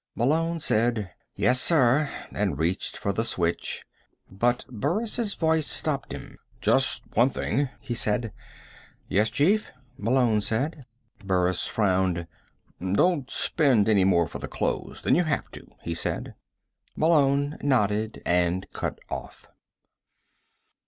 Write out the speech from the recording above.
Malone said: "Yes, sir," and reached for the switch. But Burris' voice stopped him. "Just one thing," he said. "Yes, chief?" Malone said. Burris frowned. "Don't spend any more for the clothes than you have to," he said. Malone nodded, and cut off.